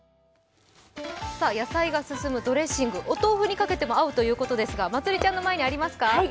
やさいがすすむドレッシング、お豆腐にかけても合うということですが、まつりちゃんの前にありますか。